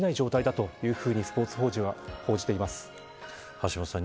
橋下さん